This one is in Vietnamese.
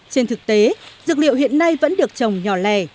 trên thực tế dược liệu hiện nay vẫn được trồng nhỏ lẻ